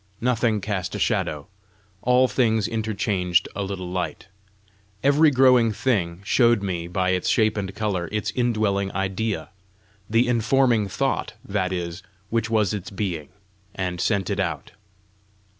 Nothing cast a shadow; all things interchanged a little light. Every growing thing showed me, by its shape and colour, its indwelling idea the informing thought, that is, which was its being, and sent it out.